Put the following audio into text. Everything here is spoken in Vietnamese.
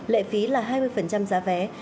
lệ phí là hai mươi giá vé